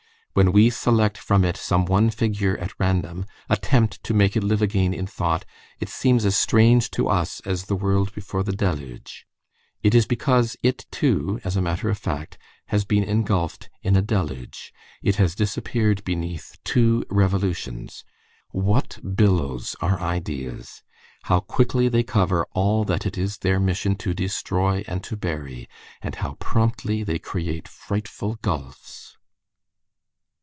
When we select from it some one figure at random, and attempt to make it live again in thought, it seems as strange to us as the world before the Deluge. It is because it, too, as a matter of fact, has been engulfed in a deluge. It has disappeared beneath two Revolutions. What billows are ideas! How quickly they cover all that it is their mission to destroy and to bury, and how promptly they create frightful gulfs!